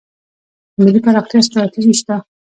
د ملي پراختیا ستراتیژي شته؟